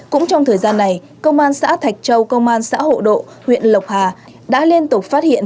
cũng trong thời gian này công an xã thạch châu công an xã hộ độ huyện lộc hà đã liên tục phát hiện